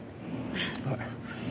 はい。